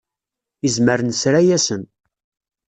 Izmer nesra-yasen.